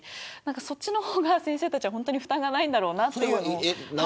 そっちの方が先生は負担がないだろうなと。